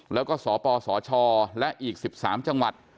แล้วก็สปสชและอีก๑๓จังหวัด